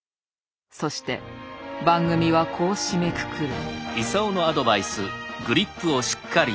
そして番組はこう締めくくる。